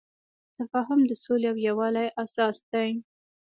تفاهم د سولې او یووالي اساس دی.